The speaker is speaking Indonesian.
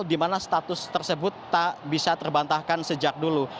dimana status tersebut tak bisa terbantahkan sejak dulu